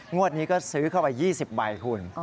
งวดนี้ก็ซื้อเข้าไป๒๐ใบคุณ